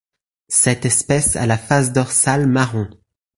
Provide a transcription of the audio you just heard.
Cette espèce a la face dorsale marron.